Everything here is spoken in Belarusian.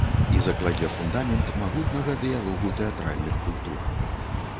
І закладзе фундамент магутнага дыялогу тэатральных культур.